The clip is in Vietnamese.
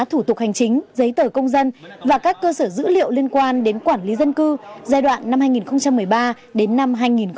thủ tục hành chính giấy tờ công dân và các cơ sở dữ liệu liên quan đến quản lý dân cư giai đoạn năm hai nghìn một mươi ba đến năm hai nghìn một mươi năm